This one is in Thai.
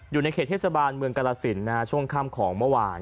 อยู่ในเขตเทศบาลเมืองกรสินช่วงค่ำของเมื่อวาน